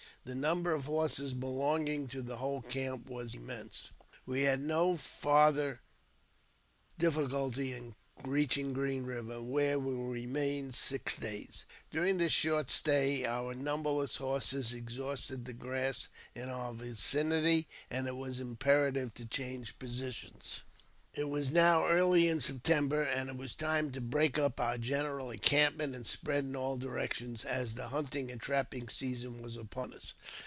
The number horses belonging to the whole camp was immense. We had no farther difficulty in reaching Green Eiver, whei we remained six days. During this short stay our numberleg horses exhausted the grass in our vicinity, and it was imper£ tive to change position. It was now early in September, and it was time to break u| our general encampment, and spread in all directions, as th« hunting and trapping season was upon us.